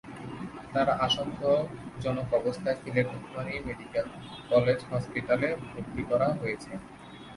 তাঁকে আশঙ্কাজনক অবস্থায় সিলেট ওসমানী মেডিকেল কলেজ হাসপাতালে ভর্তি করা হয়েছে।